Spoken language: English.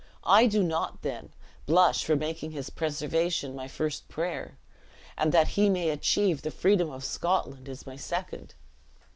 I do not, then, blush for making his preservation my first prayer; and that he may achieve the freedom of Scotland, is my second."